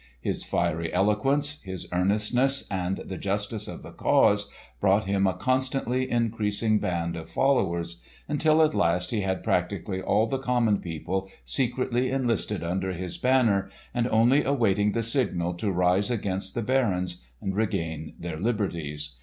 His fiery eloquence, his earnestness, and the justice of the cause, brought him a constantly increasing band of followers, until at last he had practically all the common people secretly enlisted under his banner and only awaiting the signal to rise against the barons and regain their liberties.